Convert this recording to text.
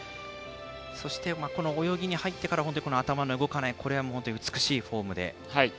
そして、この泳ぎに入ってから頭の動かない本当に美しいフォームで。